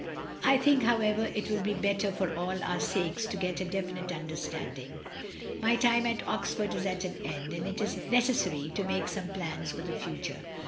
I think, however, it will be better for all our sakes to get to a definite understanding. My time at Ox ford is at an end, and it is necessary to make some plans for the future.